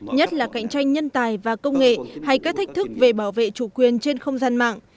nhất là cạnh tranh nhân tài và công nghệ hay các thách thức về bảo vệ chủ quyền trên không gian mạng